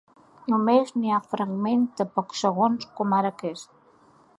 Només n’hi ha fragments de pocs segons, com ara aquest.